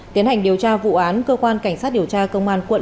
tiến hành điều tra vụ án cơ quan cảnh sát điều tra công an quận